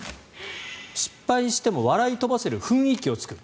失敗しても笑い飛ばせる雰囲気を作る。